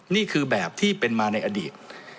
นี่คือแบบที่เป็นมาในอดีต